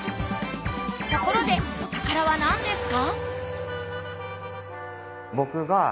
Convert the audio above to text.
ところでお宝はなんですか？